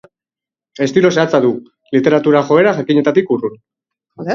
Estilo zehatza du, literatura-joera jakinetatik urrun.